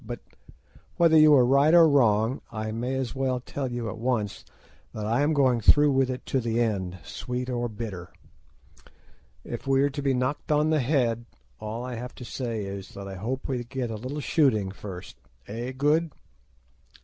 But whether you are right or wrong, I may as well tell you at once that I am going through with it to the end, sweet or bitter. If we are to be knocked on the head, all I have to say is, that I hope we get a little shooting first, eh, Good?"